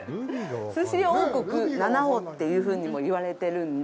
すし王国・七尾っていうふうにも言われてるんで。